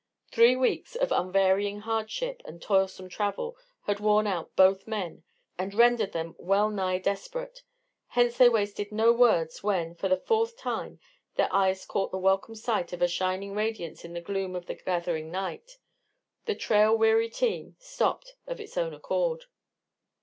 Three weeks of unvarying hardship and toilsome travel had worn out both men, and rendered them well nigh desperate. Hence they wasted no words when, for the fourth time, their eyes caught the welcome sight of a shining radiance in the gloom of the gathering night. The trail weary team stopped of its own accord.